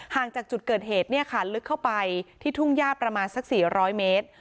ห่างจากจุดเกิดเหตุเนี่ยค่ะลึกเข้าไปที่ทุ่งหญ้าประมาณสักสี่ร้อยเมตร